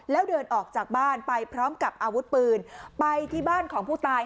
แล้วเดินออกจากบ้านไปพร้อมกับอาวุธปืนไปที่บ้านของผู้ตาย